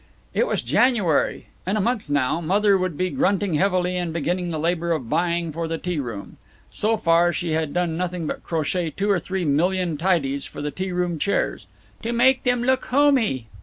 It was January. In a month, now, Mother would be grunting heavily and beginning the labor of buying for the tea room. So far she had done nothing but crochet two or three million tidies for the tea room chairs, "to make them look homey."